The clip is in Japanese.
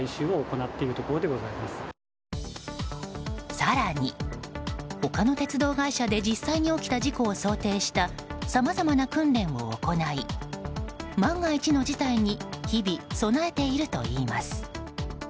更に、他の鉄道会社で実際に起きた事故を想定したさまざまな訓練を行い万が一の事態に日々、備えているといいます。